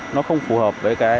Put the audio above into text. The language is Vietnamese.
nó không phù hợp với cái